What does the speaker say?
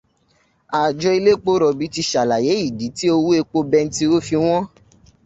Àjọ elépo rọ̀bì ti ṣàlàyé ìdí tí owó epo bẹntiróò fi wọ́n